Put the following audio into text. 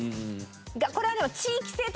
これはでも。